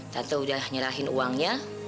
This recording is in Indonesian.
tante udah nyerahin uangnya